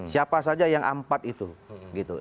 siapa saja yang empat itu gitu